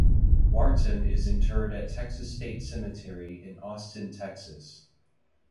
Wharton is interred at Texas State Cemetery in Austin, Texas.